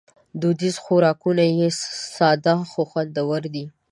دودیز خوراکونه یې ساده خو خوندور دي.